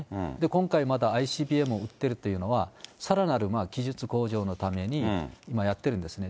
今回またＩＣＢＭを撃ってるというのは、さらなる技術向上のためにやってるんですね。